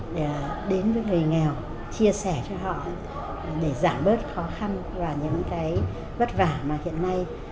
để đến với người nghèo chia sẻ cho họ để giảm bớt khó khăn và những cái vất vả mà hiện nay